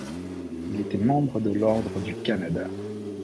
Il était membre de l'Ordre du Canada.